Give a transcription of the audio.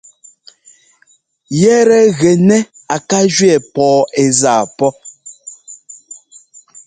Yɛ́tɛ́ gɛ nɛ́ á ká jʉɛ pɔɔ ɛ́ zaa pɔ́.